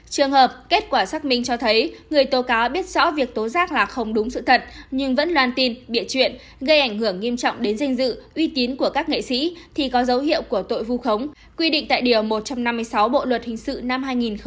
trường hợp kết quả xác minh cho thấy người tố cáo biết rõ việc tố giác là không đúng sự thật nhưng vẫn loan tin bịa chuyện gây ảnh hưởng nghiêm trọng đến danh dự uy tín của các nghệ sĩ thì có dấu hiệu của tội vu khống quy định tại điều một trăm năm mươi sáu bộ luật hình sự năm hai nghìn một mươi năm